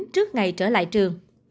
trước ngày trở lại trường